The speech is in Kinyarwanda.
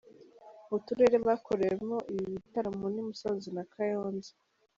Uturere bakoreyemo ibi bitaramo ni Musanze na Kayonza.